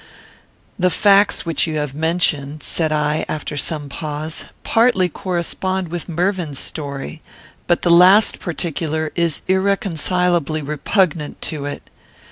"The facts which you have mentioned," said I, after some pause, "partly correspond with Mervyn's story; but the last particular is irreconcilably repugnant to it.